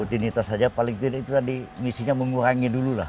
rutinitas saja paling tidak itu tadi misinya mengurangi dulu lah